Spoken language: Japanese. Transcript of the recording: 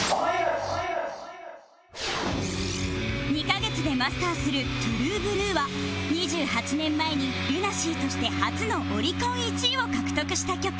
２カ月でマスターする『ＴＲＵＥＢＬＵＥ』は２８年前に ＬＵＮＡＳＥＡ として初のオリコン１位を獲得した曲